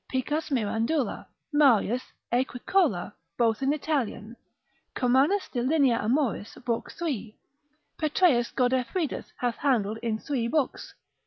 Picus Mirandula, Marius, Aequicola, both in Italian, Kornmannus de linea Amoris, lib. 3. Petrus Godefridus hath handled in three books, P.